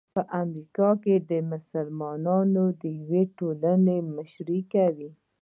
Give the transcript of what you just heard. په امریکا کې د مسلمانانو د یوې ټولنې مشري کوي.